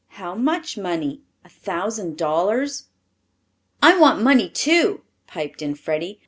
"How much money a thousand dollars?" "I want money, too," piped in Freddie.